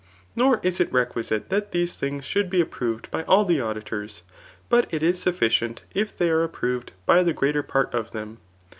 Nor is it requisite that these dnngs should be approved by all the auditors, but it is sufficient if they zte approved by the greater part of them.